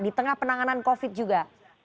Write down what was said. di tengah penanganan covid juga